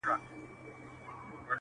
• درد په حافظه کي پاتې کيږي..